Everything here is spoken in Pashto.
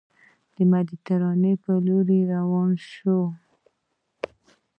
د مدینې منورې پر لور روان شوو.